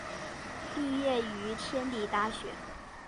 毕业于天理大学。